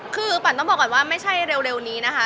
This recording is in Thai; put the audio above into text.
คือปันต้องบอกก่อนว่าไม่ใช่เร็วนี้นะคะ